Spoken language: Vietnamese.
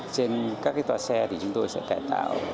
trên các tòa xe thì chúng tôi sẽ cải tạo